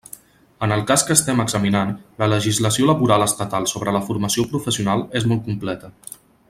En el cas que estem examinant, la legislació laboral estatal sobre la formació professional és molt completa.